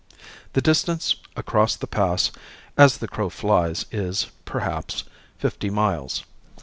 The distance across the Pass as the crow flies is, perhaps, fifty miles.